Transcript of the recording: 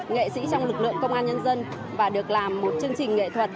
nghệ sĩ trong lực lượng công an nhân dân và được làm một chương trình nghệ thuật